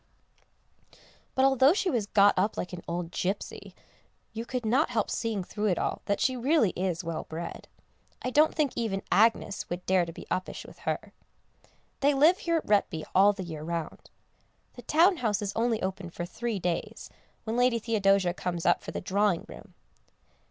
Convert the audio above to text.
But although she was got up like an old gipsy you could not help seeing through it all that she really is well bred; I don't think even Agnès would dare to be uppish with her. They live here at Retby all the year round. The town house is only opened for three days, when Lady Theodosia comes up for the Drawing room.